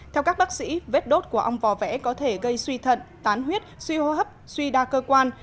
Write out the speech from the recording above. theo các bác sĩ vết đốt của ong vò vẽ có thể gây suy thận tán huyết suy hô hấp suy đa cơ quan